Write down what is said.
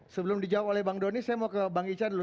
sebelum dijawab oleh bang doni saya mau ke bang ican dulu